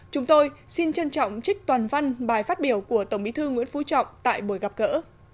chúng tôi xin trân trọng trích toàn văn bài phát biểu của tổng bí thư nguyễn phú trọng tại buổi gặp gỡ